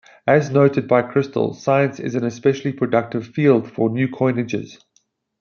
As noted by Crystal, science is an especially productive field for new coinages.